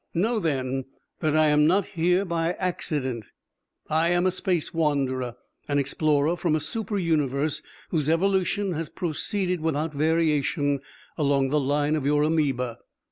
"Know, then, that I am not here by accident. I am a Space Wanderer, an explorer from a super universe whose evolution has proceeded without variation along the line of your amoeba.